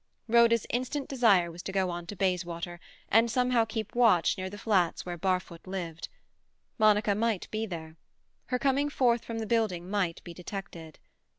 Rhoda's instant desire was to go on to Bayswater, and somehow keep watch near the flats where Barfoot lived. Monica might be there. Her coming forth from the building might be detected.